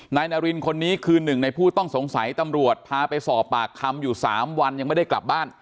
นายนารินคนนี้คือหนึ่งในผู้ต้องสงสัยตำรวจพาไปสอบปากคำอยู่๓วันยังไม่ได้กลับบ้าน